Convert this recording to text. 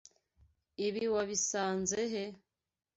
Ibi wabisanze he?